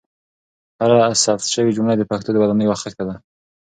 هره ثبت شوې جمله د پښتو د ودانۍ یوه خښته ده.